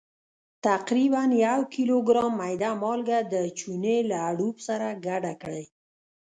تقریبا یو کیلوګرام میده مالګه د چونې له اړوب سره ګډه کړئ.